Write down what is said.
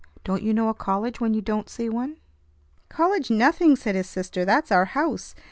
Don't you know a college when you don't see one?" "College nothing!" said his sister. "That's our house.